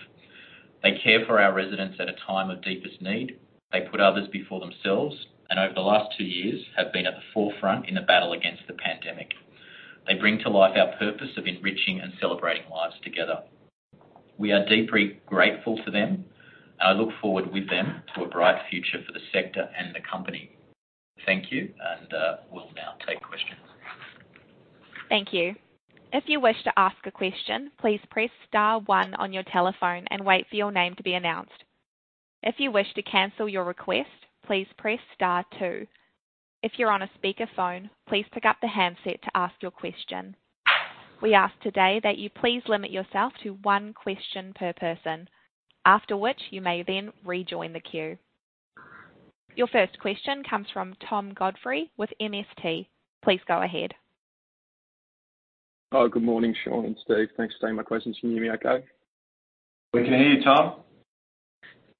They care for our residents at a time of deepest need. They put others before themselves, and over the last two years have been at the forefront in the battle against the pandemic. They bring to life our purpose of enriching and celebrating lives together. We are deeply grateful to them. I look forward with them to a bright future for the sector and the company. Thank you. We'll now take questions. Thank you. If you wish to ask a question, please press star one on your telephone and wait for your name to be announced. If you wish to cancel your request, please press star two. If you're on a speakerphone, please pick up the handset to ask your question. We ask today that you please limit yourself to one question per person, after which you may then rejoin the queue. Your first question comes from Tom Godfrey with MST. Please go ahead. Oh, good morning, Sean and Steve. Thanks for taking my questions. Can you hear me okay? We can hear you, Tom.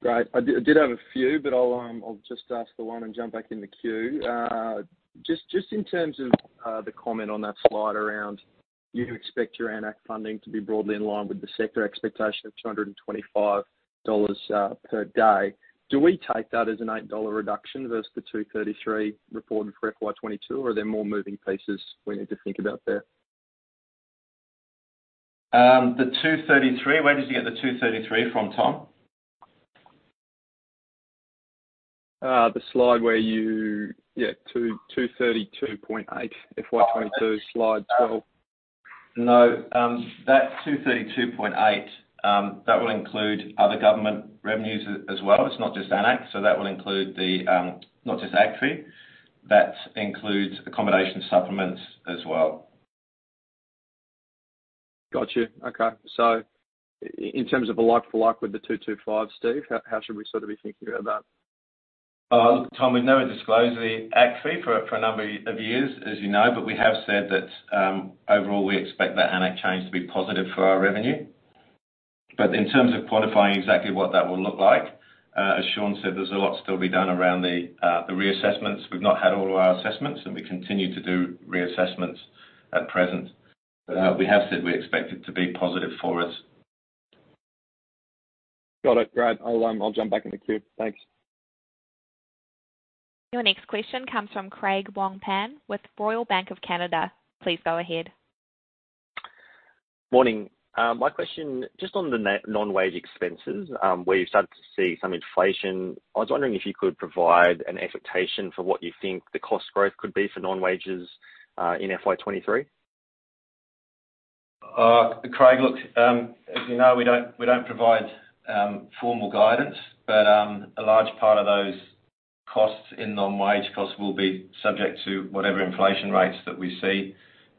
Great. I did have a few, but I'll just ask the one and jump back in the queue. Just in terms of the comment on that slide around you expect your AN-ACC funding to be broadly in line with the sector expectation of 225 dollars per day. Do we take that as an 8 dollar reduction versus the 233 reported for FY 2022, or are there more moving pieces we need to think about there? The 233. Where did you get the 233 from, Tom? 232.8. FY 2022, slide 12. No, that 232.8 will include other government revenues as well. It's not just AN-ACC. That will include not just ACFI, that includes accommodation supplements as well. Got you. Okay. In terms of a like for like with the 225, Steve, how should we sort of be thinking about that? Look, Tom, we've never disclosed the ACFI for a number of years, as you know, but we have said that overall, we expect that AN-ACC change to be positive for our revenue. In terms of quantifying exactly what that will look like, as Shaun said, there's a lot still to be done around the reassessments. We've not had all of our assessments, and we continue to do reassessments at present. We have said we expect it to be positive for us. Got it. Great. I'll jump back in the queue. Thanks. Your next question comes from Craig Wong-Pan with Royal Bank of Canada. Please go ahead. Morning. My question, just on the non-wage expenses, where you started to see some inflation, I was wondering if you could provide an expectation for what you think the cost growth could be for non-wages in FY2023? Craig, look, as you know, we don't provide formal guidance, but a large part of those costs in non-wage costs will be subject to whatever inflation rates that we see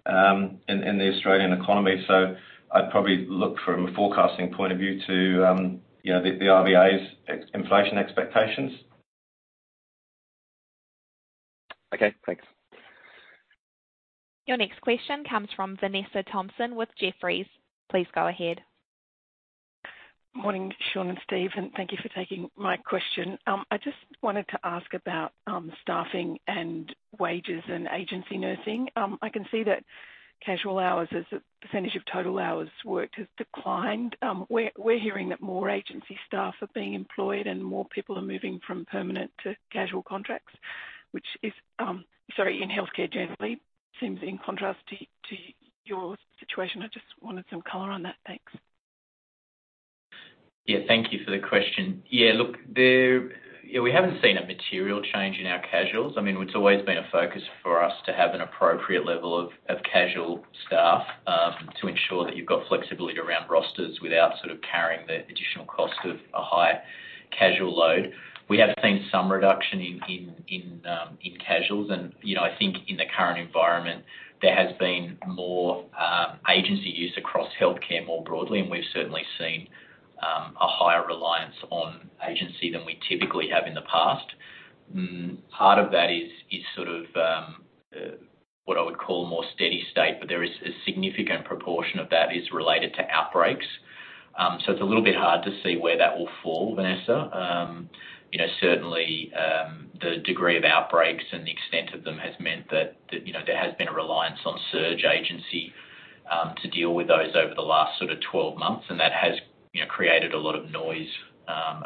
in the Australian economy. I'd probably look from a forecasting point of view to you know, the RBA's inflation expectations. Okay, thanks. Your next question comes from Vanessa Thomson with Jefferies. Please go ahead. Morning, Sean and Steve, and thank you for taking my question. I just wanted to ask about staffing and wages and agency nursing? I can see that casual hours as a percentage of total hours worked has declined. We're hearing that more agency staff are being employed and more people are moving from permanent to casual contracts, which in healthcare generally seems in contrast to your situation? I just wanted some color on that. Thanks. Yeah, thank you for the question. Yeah, look, Yeah, we haven't seen a material change in our casuals. I mean, it's always been a focus for us to have an appropriate level of casual staff to ensure that you've got flexibility around rosters without sort of carrying the additional cost of a high casual load. We have seen some reduction in casuals and, you know, I think in the current environment, there has been more agency use across healthcare more broadly, and we've certainly seen a higher reliance on agency than we typically have in the past. Part of that is sort of what I would call more steady state, but there is a significant proportion of that is related to outbreaks. It's a little bit hard to see where that will fall, Vanessa. You know, certainly, the degree of outbreaks and the extent of them has meant that you know, there has been a reliance on surge agency to deal with those over the last sort of 12 months, and that has you know, created a lot of noise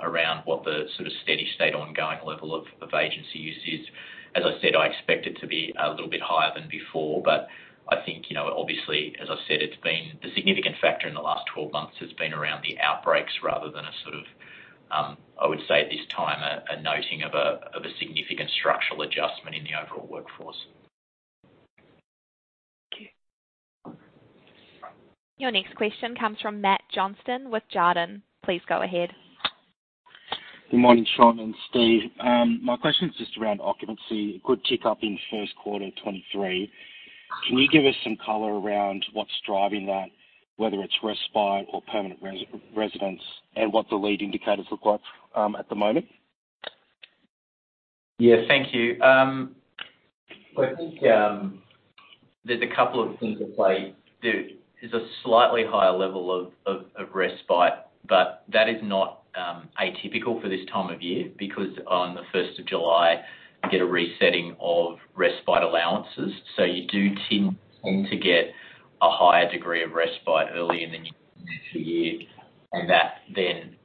around what the sort of steady state ongoing level of agency use is. As I said, I expect it to be a little bit higher than before, but I think you know, obviously, as I said, it's been the significant factor in the last 12 months has been around the outbreaks rather than a sort of I would say, at this time, a noting of a significant structural adjustment in the overall workforce. Thank you. Your next question comes from Matt Johnston with Jarden. Please go ahead. Good morning, Sean and Steve. My question is just around occupancy. A good tick up in first quarter 2023. Can you give us some color around what's driving that, whether it's respite or permanent residence and what the lead indicators look like at the moment? Yeah, thank you. Well, I think there's a couple of things at play. There is a slightly higher level of respite, but that is not atypical for this time of year because on the first of July, you get a resetting of respite allowances. You do tend to get a higher degree of respite early in the financial year, and that then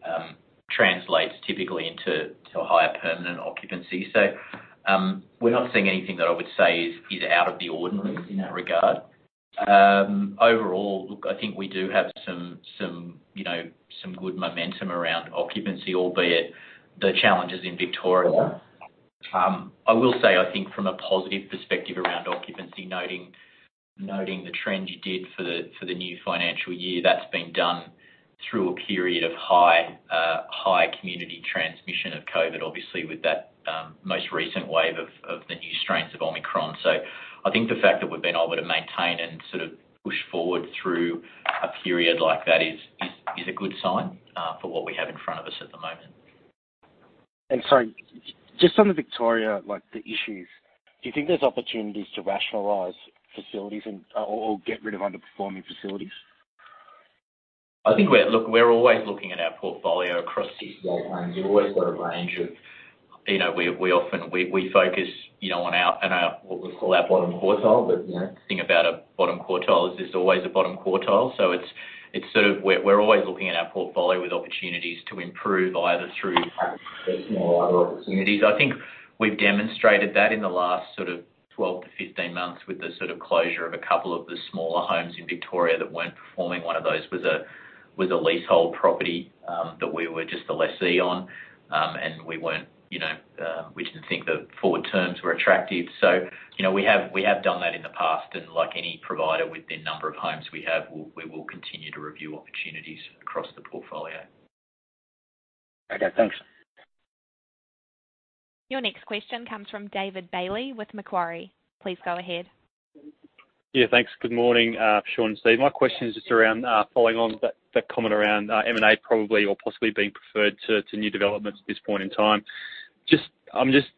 translates typically into a higher permanent occupancy. We're not seeing anything that I would say is out of the ordinary in that regard. Overall, look, I think we do have some you know some good momentum around occupancy, albeit the challenges in Victoria. I will say, I think from a positive perspective around occupancy, noting the trend you did for the new financial year, that's been done through a period of high community transmission of COVID, obviously with that most recent wave of the new strains of Omicron. I think the fact that we've been able to maintain and sort of push forward through a period like that is a good sign for what we have in front of us at the moment. Sorry, just on the Victoria, like the issues, do you think there's opportunities to rationalize facilities and or get rid of underperforming facilities? Look, we're always looking at our portfolio across these timelines. We've always got a range of, you know, we often focus, you know, on our what we call our bottom quartile. You know, the thing about a bottom quartile, is this always a bottom quartile. It's sort of we're always looking at our portfolio with opportunities to improve either through personal or other opportunities. We've demonstrated that in the last sort of 12-15 months with the sort of closure of a couple of the smaller homes in Victoria that weren't performing. One of those was a leasehold property that we were just the lessee on, and we weren't, you know, we didn't think the forward terms were attractive. You know, we have done that in the past, and like any provider with the number of homes we have, we will continue to review opportunities across the portfolio. Okay, thanks. Your next question comes from David Bailey with Macquarie. Please go ahead. Yeah, thanks. Good morning, Sean and Steve. My question is just around following on that comment around M&A probably or possibly being preferred to new developments at this point in time. Just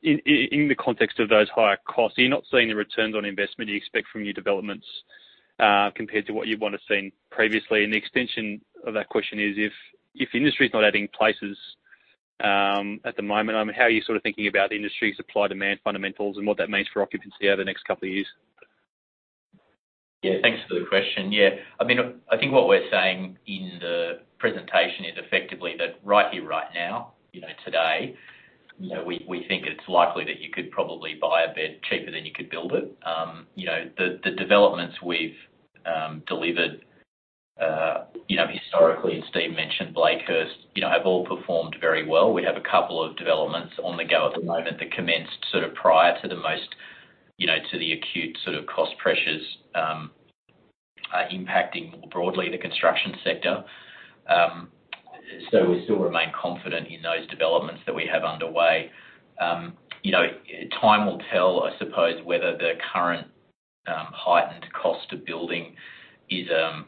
in the context of those higher costs, are you not seeing the returns on investment you expect from new developments compared to what you might have seen previously? The extension of that question is if the industry is not adding places at the moment. I mean how are you sort of thinking about industry supply demand fundamentals and what that means for occupancy over the next couple of years? Yeah, thanks for the question. Yeah. I mean, I think what we're saying in the presentation is effectively that right here, right now, you know, today, you know, we think it's likely that you could probably buy a bed cheaper than you could build it. You know, the developments we've delivered, you know, historically, and Steve mentioned Blakehurst, you know, have all performed very well. We have a couple of developments on the go at the moment that commenced sort of prior to the most, you know, to the acute sort of cost pressures, impacting more broadly the construction sector. We still remain confident in those developments that we have underway. You know, time will tell, I suppose, whether the current heightened cost of building is, you know,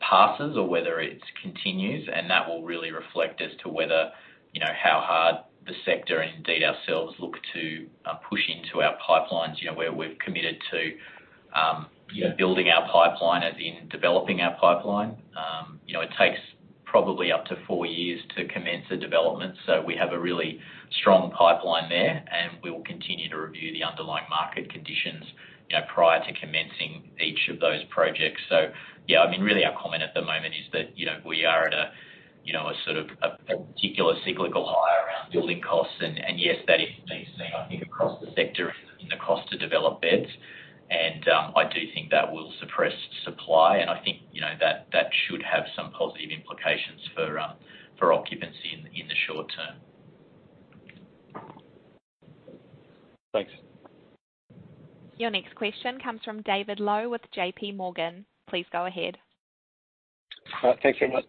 passes or whether it continues, and that will really reflect as to whether, you know, how hard the sector and indeed ourselves look to push into our pipelines, you know, where we've committed to, you know, building our pipeline as in developing our pipeline. You know, it takes probably up to four years to commence a development. We have a really strong pipeline there, and we will continue to review the underlying market conditions, you know, prior to commencing each of those projects. Yeah, I mean, really our comment at the moment is that, you know, we are at a, you know, a sort of a particular cyclical high around building costs. Yes, that is being seen I think across the sector in the cost to develop beds. I do think that will suppress supply, and I think, you know, that should have some positive implications for occupancy in the short term. Thanks. Your next question comes from David Low with JP Morgan. Please go ahead. Thanks so much.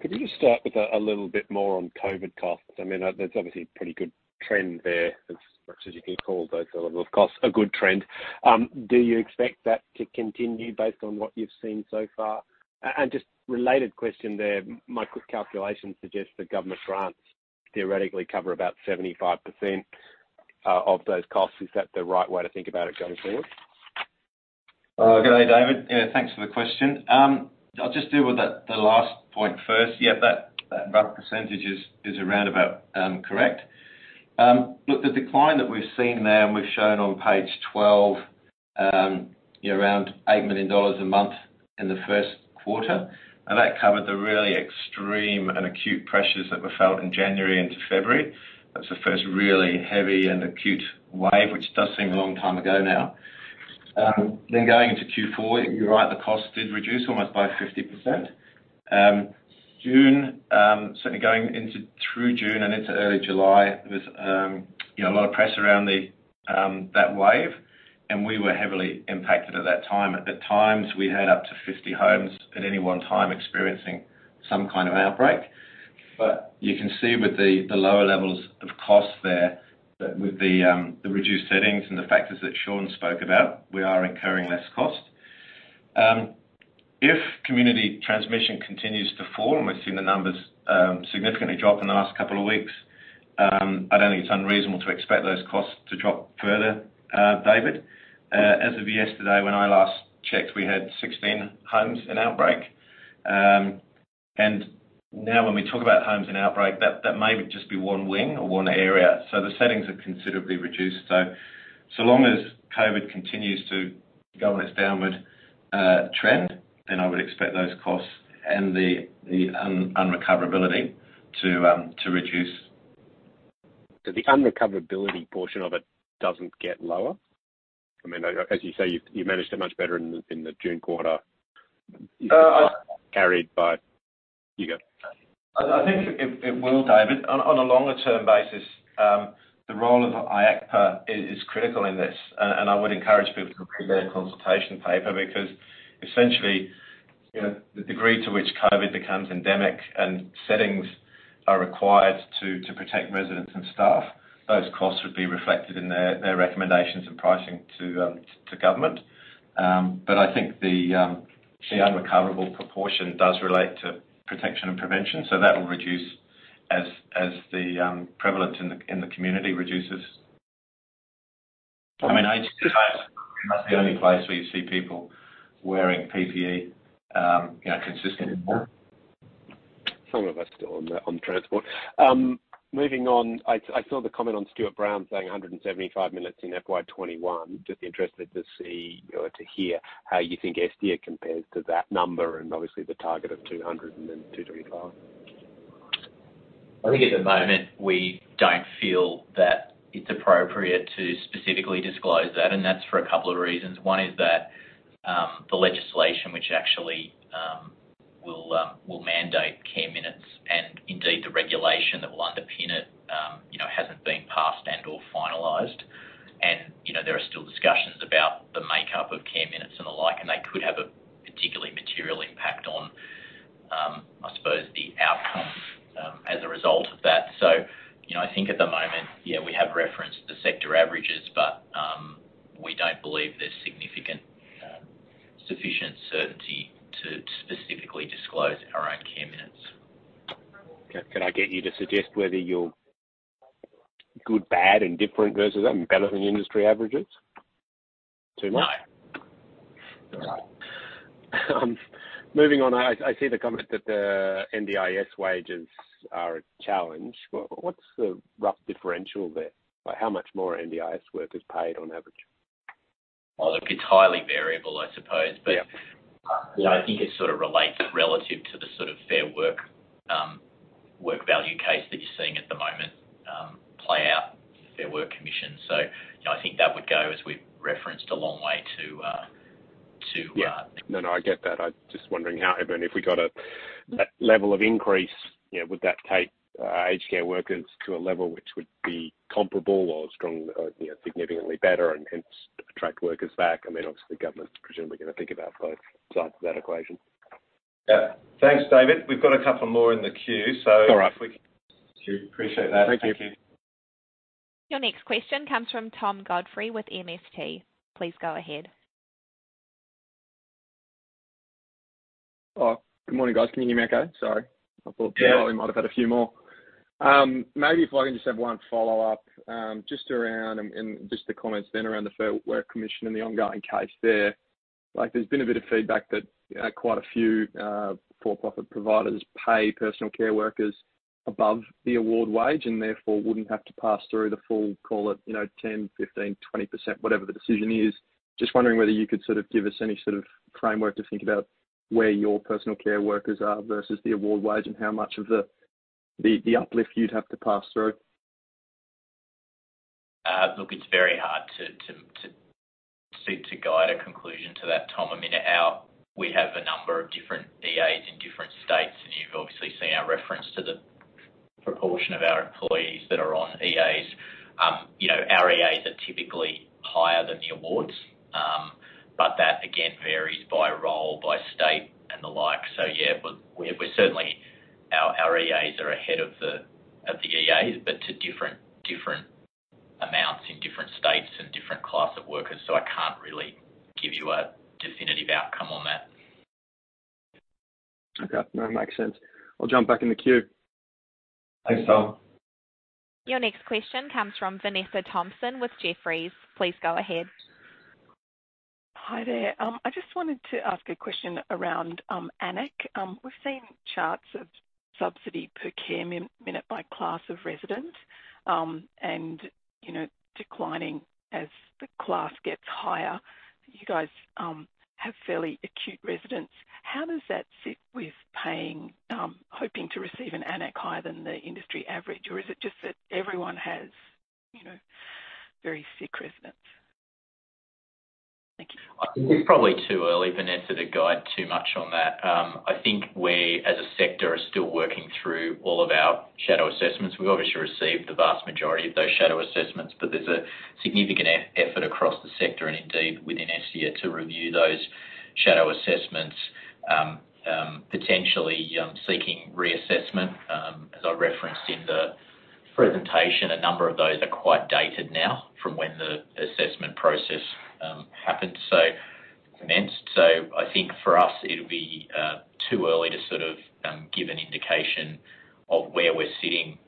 Could you just start with a little bit more on COVID costs? I mean, that's obviously a pretty good trend there, as much as you can call those level of costs a good trend. Do you expect that to continue based on what you've seen so far? Just related question there, my quick calculation suggests that government grants theoretically cover about 75% of those costs. Is that the right way to think about it going forward? Good day, David. Yeah, thanks for the question. I'll just deal with that, the last point first. Yeah, that rough percentage is around about correct. Look, the decline that we've seen there, and we've shown on page 12, you know, around 8 million dollars a month in the first quarter, and that covered the really extreme and acute pressures that were felt in January into February. That's the first really heavy and acute wave, which does seem a long time ago now. Then going into Q4, you're right, the cost did reduce almost by 50%. June certainly through June and into early July, there was, you know, a lot of press around that wave, and we were heavily impacted at that time. At times, we had up to 50 homes at any one time experiencing some kind of outbreak. You can see with the lower levels of cost there that with the reduced settings and the factors that Sean spoke about, we are incurring less cost. If community transmission continues to fall, and we've seen the numbers significantly drop in the last couple of weeks, I don't think it's unreasonable to expect those costs to drop further, David. As of yesterday, when I last checked, we had 16 homes in outbreak. Now when we talk about homes in outbreak, that may just be one wing or one area. The settings are considerably reduced. So long as COVID continues to go on its downward trend, then I would expect those costs and the unrecoverability to reduce. The unrecoverability portion of it doesn't get lower? I mean, as you say, you managed it much better in the June quarter, carried by you go. I think it will, David. On a longer-term basis, the role of IHACPA is critical in this. I would encourage people to read their consultation paper because essentially, you know, the degree to which COVID becomes endemic and settings are required to protect residents and staff, those costs would be reflected in their recommendations and pricing to government. I think the unrecoverable proportion does relate to protection and prevention, so that will reduce as the prevalence in the community reduces. I mean, aged care is almost the only place where you see people wearing PPE, you know, consistently. Some of us still on transport. Moving on, I saw the comment on StewartBrown saying 175 minutes in FY 2021. Just interested to see or to hear how you think this year compares to that number and obviously the target of 200 and then 225. I think at the moment, we don't feel that it's appropriate to specifically disclose that, and that's for a couple of reasons. One is that the legislation which actually will mandate care minutes, and indeed the regulation that will underpin it, you know, hasn't been passed and/or finalized. You know, there are still discussions about the makeup of care minutes and the like, and they could have a particularly material impact on, I suppose, the outcome as a result of that. You know, I think at the moment, yeah, we have referenced the sector averages, but we don't believe there's significant sufficient certainty to specifically disclose our own care minutes. Okay. Can I get you to suggest whether you're good, bad, indifferent versus, better than industry averages? Too much? No. All right. Moving on, I see the comment that the NDIS wages are a challenge. What's the rough differential there? By how much more are NDIS workers paid on average? Well, look, it's highly variable, I suppose. Yeah. You know, I think it sort of relates relatively to the sort of Fair Work work value case that you're seeing at the moment, play out, the Fair Work Commission. You know, I think that would go, as we've referenced, a long way to. Yeah. No, no, I get that. I'm just wondering how even if we got a, that level of increase, you know, would that take, aged care workers to a level which would be comparable or strong or, you know, significantly better and, hence attract workers back. I mean, obviously, the government is presumably gonna think about both sides of that equation. Yeah. Thanks, David. We've got a couple more in the queue. All right. If we can appreciate that. Thank you. Thank you. Your next question comes from Tom Godfrey with MST. Please go ahead. Oh. Good morning, guys. Can you hear me okay? Sorry. Yeah. We might have had a few more. Maybe if I can just have one follow-up, just around the comments around the Fair Work Commission and the ongoing case there. Like, there's been a bit of feedback that quite a few for-profit providers pay personal care workers above the award wage, and therefore wouldn't have to pass through the full, call it, you know, 10, 15, 20%, whatever the decision is. Just wondering whether you could sort of give us any sort of framework to think about where your personal care workers are versus the award wage and how much of the uplift you'd have to pass through? Look, it's very hard to seek to guide a conclusion to that, Tom. I mean, we have a number of different EAs in different states, and you've obviously seen our reference to the proportion of our employees that are on EAs. You know, our EAs are typically higher than the awards, but that again varies by role, by state, and the like. But our EAs are ahead of the awards, but to different amounts in different states and different class of workers, so I can't really give you a definitive outcome on that. Okay. No, makes sense. I'll jump back in the queue. Thanks, Tom. Your next question comes from Vanessa Thomson with Jefferies. Please go ahead. Hi there. I just wanted to ask a question around AN-ACC. We've seen charts of subsidy per care minute by class of resident, and, you know, declining as the class gets higher. You guys have fairly acute residents. How does that sit with paying, hoping to receive an AN-ACC higher than the industry average? Or is it just that everyone has, you know, very sick residents? Thank you. I think it's probably too early, Vanessa, to guide too much on that. I think we, as a sector, are still working through all of our shadow assessments. We've obviously received the vast majority of those shadow assessments, but there's a significant effort across the sector and indeed within Estia to review those shadow assessments, potentially seeking reassessment. As I referenced in the presentation, a number of those are quite dated now from when the assessment process commenced. I think for us, it'll be too early to sort of give an indication of where we're sitting.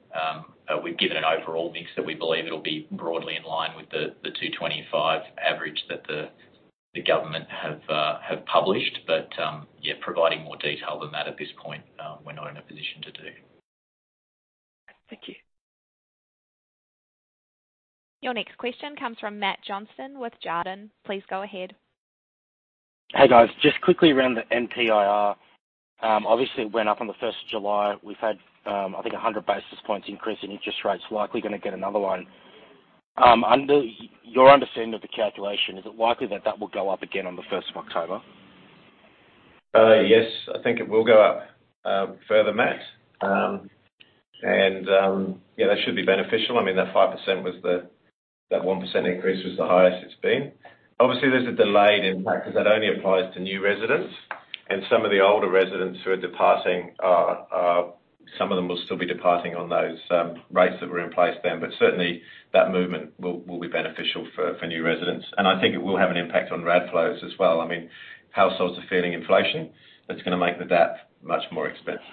We've given an overall mix that we believe it'll be broadly in line with the 225 average that the government have published. Yeah, providing more detail than that at this point, we're not in a position to do. Thank you. Your next question comes from Matt Johnston with Jarden. Please go ahead. Hey, guys. Just quickly around the MPIR. Obviously it went up on the first of July. We've had, I think, 100 basis points increase in interest rates, likely gonna get another one. Under your understanding of the calculation, is it likely that it will go up again on the first of October? Yes, I think it will go up further, Matt. Yeah, that should be beneficial. I mean, that 1% increase was the highest it's been. Obviously, there's a delayed impact 'cause that only applies to new residents, and some of the older residents who are departing. Some of them will still be departing on those rates that were in place then. Certainly, that movement will be beneficial for new residents. I think it will have an impact on RAD flows as well. I mean, households are feeling inflation. That's gonna make the DAP much more expensive.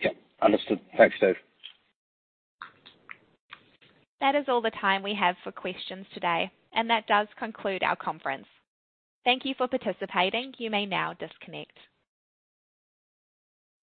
Yeah. Understood. Thanks, Steve. That is all the time we have for questions today, and that does conclude our conference. Thank you for participating. You may now disconnect.